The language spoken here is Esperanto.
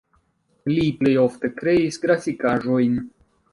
Li plej ofte kreis grafikaĵojn.